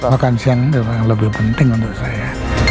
makan siang ini memang lebih penting untuk saya